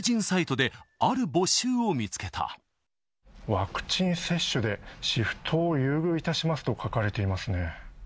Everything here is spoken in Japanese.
ワクチン接種でシフトを優遇いたしますと書かれていますね。